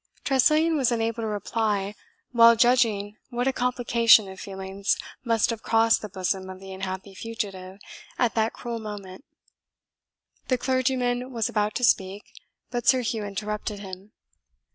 Tressilian was unable to reply, well judging what a complication of feelings must have crossed the bosom of the unhappy fugitive at that cruel moment. The clergyman was about to speak, but Sir Hugh interrupted him.